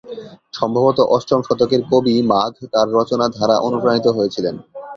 সম্ভবত অষ্টম শতকের কবি মাঘ তার রচনা দ্বারা অনুপ্রাণিত হয়েছিলেন।